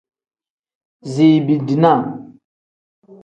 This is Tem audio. Ziibi-dinaa.